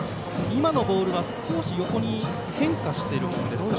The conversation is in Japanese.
今のボールは少し横に変化しているものですか？